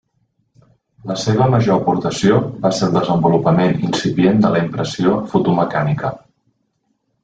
La seva major aportació va ser el desenvolupament incipient de la impressió fotomecànica.